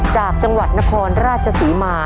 จากจังหวัดนครราชศรีมา